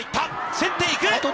競っていく。